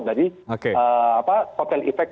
dari total efek